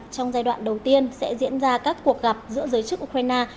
trong giai đoạn đầu tiên sẽ diễn ra các cuộc gặp giữa giới chức ukraine